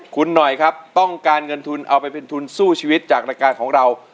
คุณหน่อยครับต้องการเงินทุนเอาไปเป็นทุนสู้ชีวิตจากรายการของเรา